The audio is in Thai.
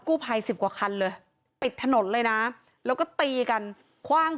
ภัยสิบกว่าคันเลยปิดถนนเลยนะแล้วก็ตีกันคว่าง